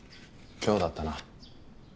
今日だったな。